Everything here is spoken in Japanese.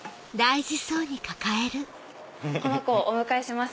この子をお迎えします。